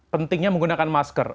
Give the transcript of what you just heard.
pentingnya menggunakan masker